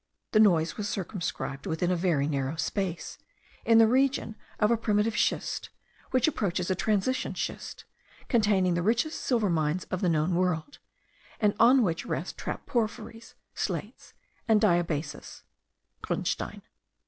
The noise was circumscribed within a very narrow space, in the region of a primitive schist, which approaches a transition schist, containing the richest silver mines of the known world, and on which rest trap porphyries, slates, and diabasis (grunstein.))